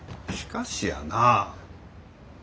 しかしやなあ。